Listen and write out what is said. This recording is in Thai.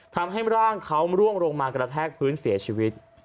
ทำให้ร่างเขาร่วงลงมากระแทกพื้นเสียชีวิต